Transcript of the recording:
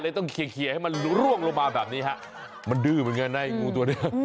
ต้องเคลียร์ให้มันร่วงลงมาแบบนี้ฮะมันดื้อเหมือนกันนะไอ้งูตัวนี้